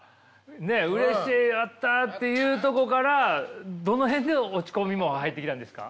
「うれしいやった」っていうとこからどの辺で落ち込みも入ってきたんですか？